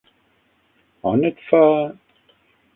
On et fa...?